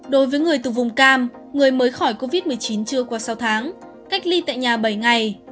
đối với người từ vùng cam người mới khỏi covid một mươi chín chưa qua sáu tháng cách ly tại nhà bảy ngày